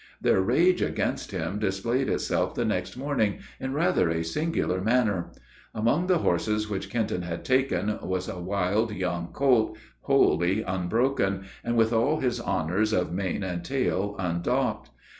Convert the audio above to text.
Their rage against him displayed itself the next morning, in rather a singular manner. Among the horses which Kenton had taken, was a wild young colt, wholly unbroken, and with all his honors of mane and tail undocked.